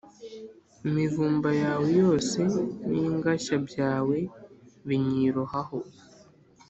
imivumba yawe yose n’ingashya byawe binyirohaho.